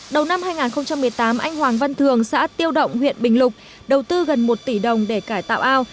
đầu năm hai nghìn một mươi tám anh hoàng văn thường xã tiêu động huyện bình lục đầu tư gần một tỷ đồng để cải tạo ao